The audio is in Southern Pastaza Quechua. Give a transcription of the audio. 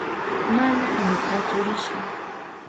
Mana ñukachu risha.